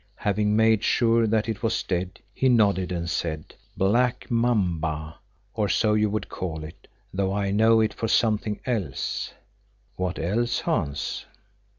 Having made sure that it was dead, he nodded and said, "Black 'mamba, or so you would call it, though I know it for something else." "What else, Hans?"